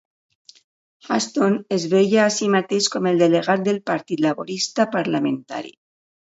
Ashton es veia a si mateix com el delegat del Partit Laborista Parlamentari.